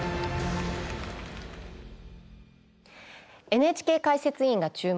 「ＮＨＫ解説委員が注目！